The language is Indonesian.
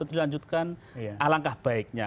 tercabut atau dilanjutkan alangkah baiknya